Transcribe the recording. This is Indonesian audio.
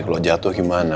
kalau jatuh gimana